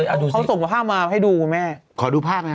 เอ้าดูสิเขาส่งผ้ามาให้ดูมั้ยขอดูภาพนะครับ